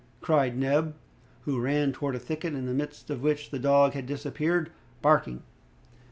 cried Neb, who ran towards a thicket, in the midst of which the dog had disappeared, barking.